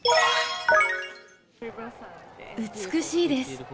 美しいです。